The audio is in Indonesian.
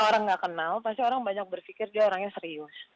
orang nggak kenal pasti orang banyak berpikir dia orangnya serius